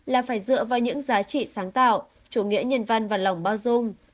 là phải dựa vào những giá trị sáng tạo chủ nghĩa nhân văn và lòng bao dung